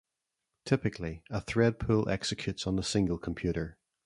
Typically, a thread pool executes on a single computer.